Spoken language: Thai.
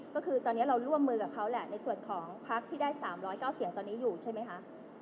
ก็คือตอนนี้เราร่วมมือกับเขาแหละในส่วนของพักที่ได้๓๐๙เสียงตอนนี้อยู่ใช่ไหมคะ